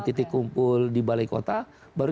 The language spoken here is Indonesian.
titik kumpul di balai kota baru